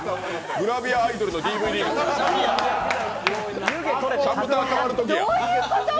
グラビアアイドルのＤＶＤって。